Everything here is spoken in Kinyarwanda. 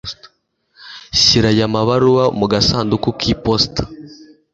Shyira aya mabaruwa mu gasanduku k'iposita.